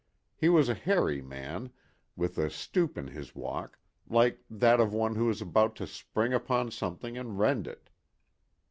He was a hairy man, with a stoop in his walk, like that of one who is about to spring upon something and rend it.